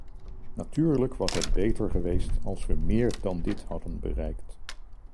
Natuurlijk was het beter geweest als we meer dan dit hadden bereikt.